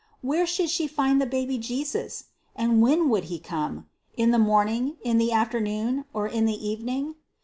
Where should she find the baby Jesus? And when would he come? In the morning, or the afternoon, or in the evening?